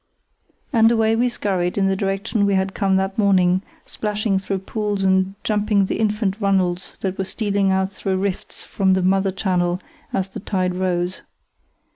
And away we scurried in the direction we had come that morning, splashing through pools and jumping the infant runnels that were stealing out through rifts from the mother channel as the tide rose.